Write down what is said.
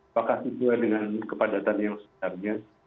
apakah sesuai dengan kepadatan yang sebenarnya